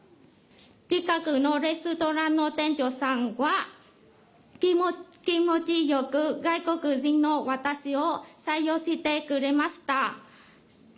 近くのレストランの店長さんは気持ちよく外国人の私を採用してくれました。